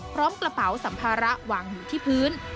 พร้อมกระเป๋าสัมภาระวางอยู่ที่พื้น